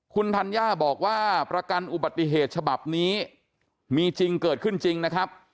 คุณธัญญาบอกว่าประกันอุบัติเหตุฉบับนี้มีจริงเกิดขึ้นจริงนะครับ